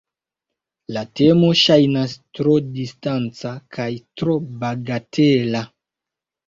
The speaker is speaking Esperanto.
La temo ŝajnas tro distanca kaj tro bagatela.